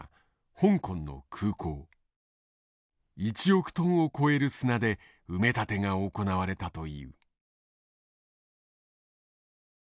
１億トンを超える砂で埋め立てが行われたという。